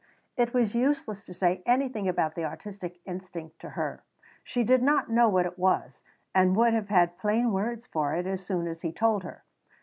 It was useless to say anything about the artistic instinct to her; she did not know what it was, and would have had plain words for it as soon as he told her.